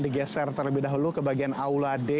digeser terlebih dahulu ke bagian aula d